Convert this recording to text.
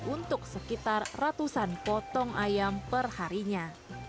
untuk sekitar ratusan potong ayam perharinya